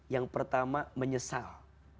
yang pertama menyesal